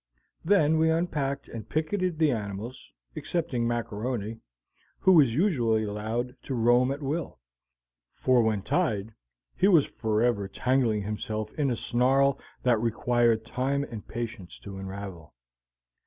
Then we unpacked and picketed the animals, excepting Mac A'Rony, who was usually allowed to roam at will; for when tied, he was forever tangling himself in a snarl that required time and patience to unravel.